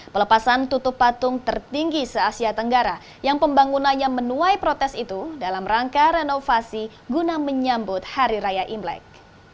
pelepasan tutup patung tertinggi se asia tenggara yang pembangunannya menuai protes itu dalam rangka renovasi guna menyambut hari raya imlek